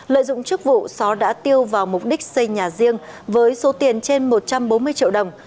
lợi dụng chức vụ sáu đã tiêu vào mục đích xây nhà riêng với số tiền trên một trăm bốn mươi triệu đồng